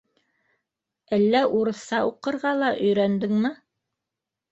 Әллә урыҫса уҡырға ла өйрәндеңме?